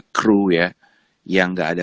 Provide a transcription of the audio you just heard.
kru ya yang nggak ada